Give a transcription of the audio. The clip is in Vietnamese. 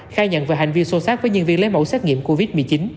khai nhận về hành vi sâu sát với nhân viên lấy mẫu xét nghiệm covid một mươi chín